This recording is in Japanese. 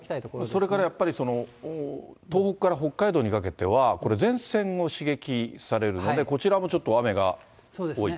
それからやっぱり、東北から北海道にかけては、これ、前線を刺激されるので、こちらもちょっと雨が多い。